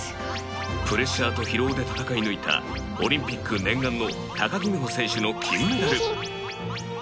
プレッシャーと疲労で戦い抜いたオリンピック念願の高木美帆選手の金メダル